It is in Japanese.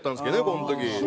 この時。